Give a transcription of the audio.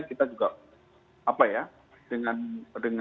kita juga dengan personil yang terbatas tentunya